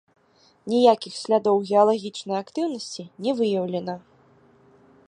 Ніякіх слядоў геалагічнай актыўнасці не выяўлена.